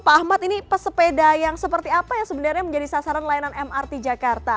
pak ahmad ini pesepeda yang seperti apa yang sebenarnya menjadi sasaran layanan mrt jakarta